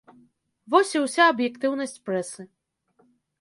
Вось і ўся аб'ектыўнасць прэсы.